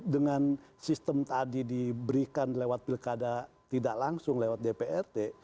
dengan sistem tadi diberikan lewat pilkada tidak langsung lewat dprd